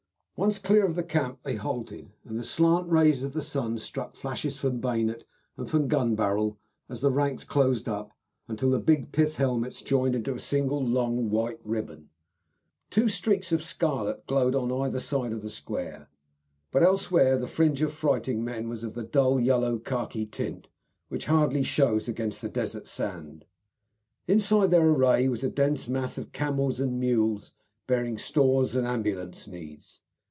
Once clear of the camp they halted, and the slant rays of the sun struck flashes from bayonet and from gun barrel as the ranks closed up until the big pith helmets joined into a single long white ribbon. Two streaks of scarlet glowed on either side of the square, but elsewhere the fringe of fighting men was of the dull yellow khaki tint which hardly shows against the desert sand. Inside their array was a dense mass of camels and mules bearing stores and ambulance needs.